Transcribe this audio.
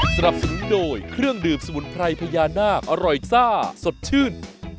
สนับสนุนโดยเครื่องดื่มสมุนไพรพญานาคอร่อยซ่าสดชื่น